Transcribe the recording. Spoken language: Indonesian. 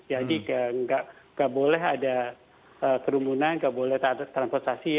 jadi tidak boleh ada kerumunan tidak boleh transportasi